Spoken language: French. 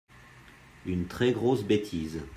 une très grosse bétise.